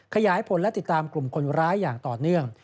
ขยายผลและติดตามกลุ่มคนร้ายอย่างต่อเนื่อง